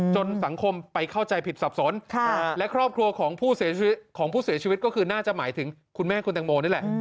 สังคมไปเข้าใจผิดสับสนและครอบครัวของผู้เสียชีวิตของผู้เสียชีวิตก็คือน่าจะหมายถึงคุณแม่คุณแตงโมนี่แหละ